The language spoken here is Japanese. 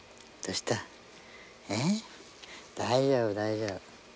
大丈夫、大丈夫。